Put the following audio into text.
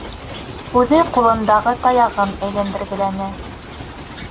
Үҙе ҡулындағы таяғын әйләндергеләне.